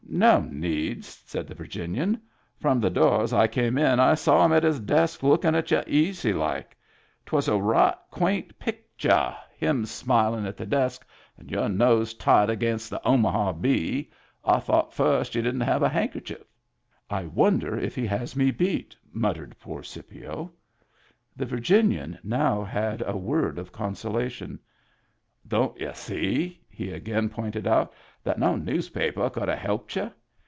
" No need," said the Virginian. " From the door as I came in I saw him at his desk lookin' at y'u easy like. 'Twas a right quaint pictyeh — Digitized by Google HAPPY TEETH 45 him smilin* at the desk, and your nose tight agaynst the Omaha Bee. I thought first y'u didn't have a handkerchief." " I wonder if he has me beat ?" muttered poor Scipio. The Virginian now had a word of consolation. " Don't y'u see," he again pointed out, " that no newspaper could have helped you